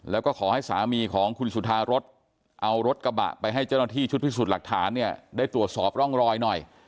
แล้วก็ขอให้สามีของคุณสุธารสเอารถกระบะไปให้เจ้าหน้าที่ชุดพิสูจน์หลักฐานเนี่ยได้ตรวจสอบร่องรอยหน่อย